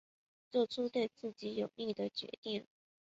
做出对自己有利的决定